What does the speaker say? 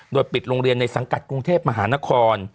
โดยปิดโรงเรียนในสังกัดกรุงเทพมหานคร